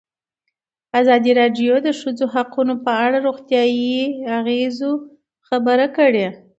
ازادي راډیو د د ښځو حقونه په اړه د روغتیایي اغېزو خبره کړې.